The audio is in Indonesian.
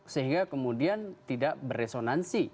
sehingga kemudian tidak beresonansi